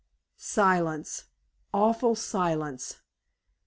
Silence awful silence!